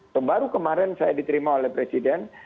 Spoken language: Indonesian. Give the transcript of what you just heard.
atau baru kemarin saya diterima oleh pak presiden